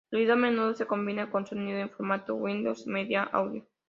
El vídeo a menudo se combina con sonido en formato Windows Media Audio.